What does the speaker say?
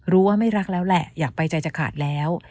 ว่าไม่รักแล้วแหละอยากไปใจจะขาดแล้ว